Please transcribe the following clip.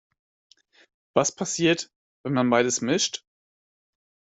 Was passiert, wenn man beides mischt?